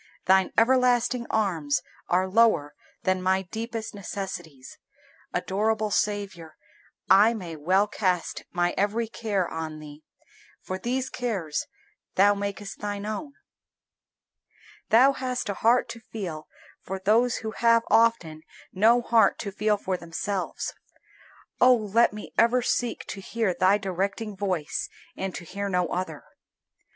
Thine everlasting arms are lower than my deepest necessities. Adorable Saviour, I may well cast my every care on Thee, for these cares Thou makest Thine own. Thou hast a heart to feel for those who have often no heart to feel for themselves. Oh let me ever seek to hear Thy directing voice and to hear no other.